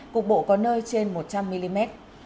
cục bộ có nơi trên một trăm linh mm